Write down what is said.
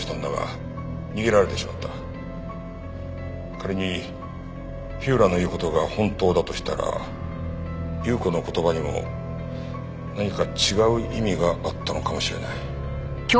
仮に火浦の言う事が本当だとしたら有雨子の言葉にも何か違う意味があったのかもしれない。